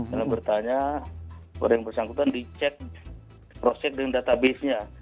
kalau bertanya orang yang bersangkutan dicek cross check dengan databasenya